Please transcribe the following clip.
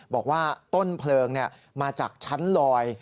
บอกว่าต้นเพลิงมาจากชั้นลอย